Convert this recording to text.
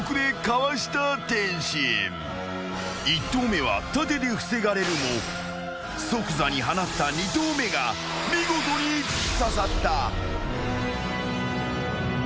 ［１投目は盾で防がれるも即座に放った２投目が見事に突き刺さった］